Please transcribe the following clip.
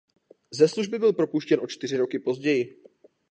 Ze služby byl propuštěn o čtyři roky později.